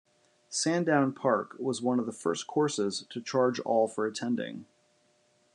Sandown Park was one of the first courses to charge all for attending.